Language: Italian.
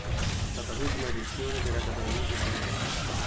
È stata l'ultima edizione diretta da Luigi Chiarini.